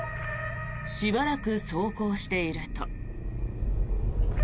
しばらく走行していると。